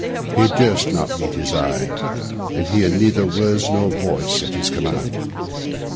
He durst not meet his eye, and he had neither words nor voice at his command.